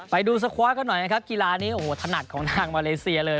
ไปดูสคว้ากันหน่อยนะครับกีฬานี้โอ้โหถนัดของทางมาเลเซียเลย